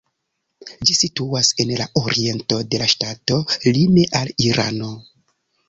Ĝi situas en la oriento de la ŝtato, lime al Irano.